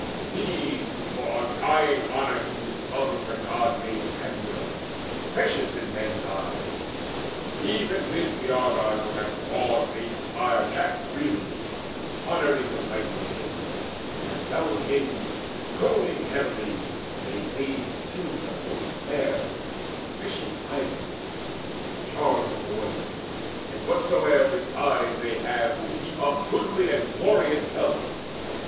These, for undying honour to his son, The God made amber, precious in men's eyes. Even this the Argives on that broad based pyre Cast freely, honouring the mighty dead. And round him, groaning heavily, they laid Silver most fair and precious ivory, And jars of oil, and whatsoe'er beside They have who heap up goodly and glorious wealth.